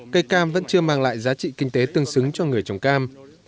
cây cam vẫn chưa mang lại giá trị kinh tế tương xứng cho người trồng cam